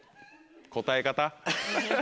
答え方。